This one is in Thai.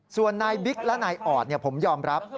ส่วนนายบิ๊กและนายออดผมยอมรับ